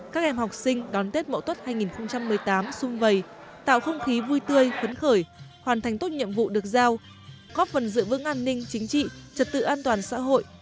các em học sinh đón tết mậu tuất hai nghìn một mươi tám sung vầy tạo không khí vui tươi phấn khởi hoàn thành tốt nhiệm vụ được giao góp phần giữ vững an ninh chính trị trật tự an toàn xã hội